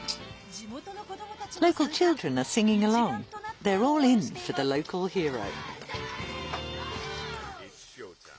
地元の子どもたちも参加。